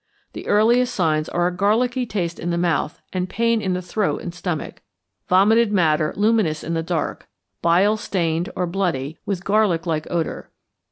The earliest signs are a garlicky taste in the mouth and pain in the throat and stomach. Vomited matter luminous in the dark, bile stained or bloody, with garlic like odour.